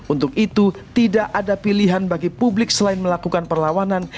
untuk itu tidak ada pilihan bagi publik selain melakukan perlawanan